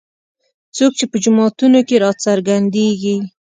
څوک چې په جوماتونو کې راڅرګندېږي.